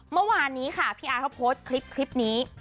เมื่อวานนี้ค่ะพี่อาร์เขาโพสต์คลิปนี้